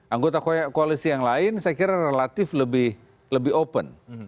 anggota koalisi yang lain saya kira relatif lebih open